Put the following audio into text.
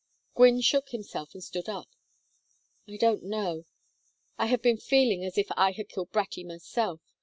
Gwynne shook himself and stood up. "I don't know. I have been feeling as if I had killed Bratty myself.